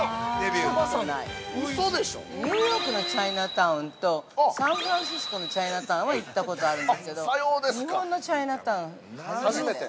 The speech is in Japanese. ◆ニューヨークのチャイナタウンとサンフランシスコのチャイナタウンは行ったことがあるんですけど日本のチャイナタウンは初めて。